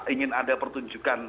ingin ada pertunjukan